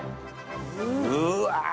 うわ。